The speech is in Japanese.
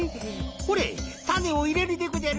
ほれタネをいれるでごじゃる！